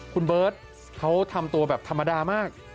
คุณเบิร์ตเขาทำตัวแบบธรรมดามาก